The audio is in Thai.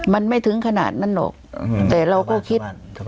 มันไม่ถึงขนาดนั้นหรอกแต่เราก็คิด